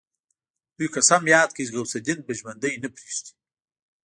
دوی قسم ياد کړ چې غوث الدين به ژوندی نه پريږدي.